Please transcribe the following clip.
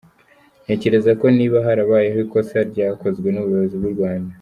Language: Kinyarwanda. Ntekereza ko niba harabayeho ikosa, ryakozwe n’ubuyobozi bw’u Rwanda.